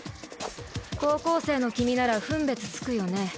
高校生の君なら分別つくよね